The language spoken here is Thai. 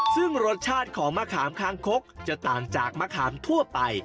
ซึ่งรสชาติของมะขามคางคกจะต่างจากมะขามทั่วไป